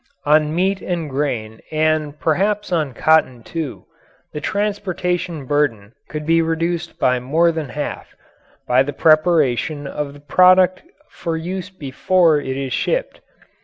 On meat and grain and perhaps on cotton, too, the transportation burden could be reduced by more than half, by the preparation of the product for use before it is shipped.